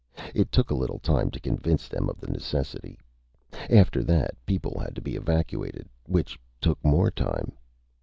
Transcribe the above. It took a little time to convince them of the necessity. After that, people had to be evacuated, which took more time.